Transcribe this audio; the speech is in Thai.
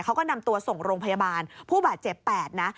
เขาก็นำตัวส่งโรงพยาบาลผู้บาดเจ็บ๘นะ